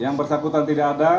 yang bersangkutan tidak ada